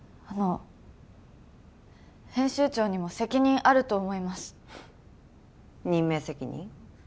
あの編集長にも責任あると思います任命責任？